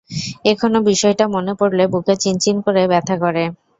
এখনও বিষয়টা মনে পড়লে বুকে চিনচিন করে ব্যাথা করে!